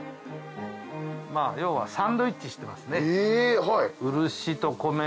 要はサンドイッチしてますね。